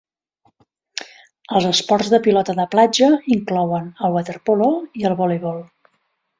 Els esports de pilota de platja inclouen el waterpolo i el voleibol.